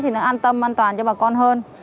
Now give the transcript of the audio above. thì nó an toàn an tâm cho bà con hơn